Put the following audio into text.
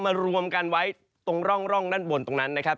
รวมกันไว้ตรงร่องด้านบนตรงนั้นนะครับ